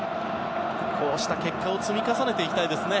こうした結果を積み重ねていきたいですね。